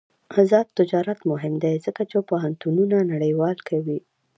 آزاد تجارت مهم دی ځکه چې پوهنتونونه نړیوال کوي.